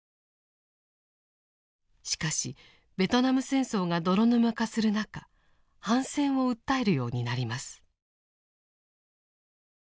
しかしベトナム戦争が泥沼化する中反戦を訴えるようになります。